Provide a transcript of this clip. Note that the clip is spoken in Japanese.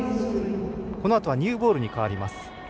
このあとはニューボールに変わります。